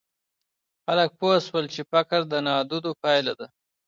خلګ پوه سول چي فقر د نادودو پایله ده.